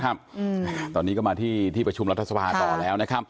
ครับตอนนี้ก็มาที่ที่ประชุมรัฐสภาต่อแล้วนะครับ